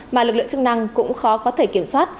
mà lực lượng chức năng cũng khó có thể kiểm soát